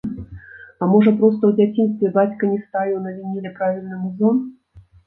А можа проста ў дзяцінстве бацька не ставіў на вініле правільны музон!